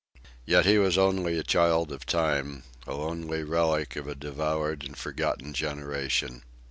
Yet he was only a child of time, a lonely relic of a devoured and forgotten generation.